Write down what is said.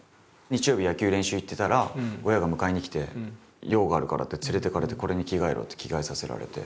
日曜日野球練習行ってたら親が迎えにきて用があるからって連れていかれてこれに着替えろって着替えさせられて。